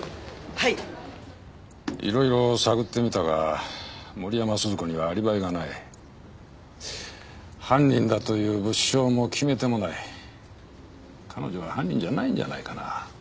はいいろいろ探ってみたが森山鈴子にはアリバイがない犯人だという物証も決め手もない彼女は犯人じゃないんじゃないかな